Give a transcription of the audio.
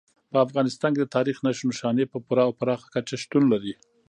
په افغانستان کې د تاریخ نښې نښانې په پوره او پراخه کچه شتون لري.